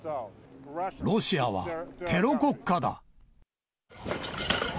ロシアはテロ国家だ。